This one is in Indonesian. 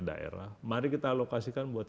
daerah mari kita alokasikan buat